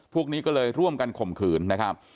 พวกนี้ก็เลยร่วมกันข่มขืนนะครับ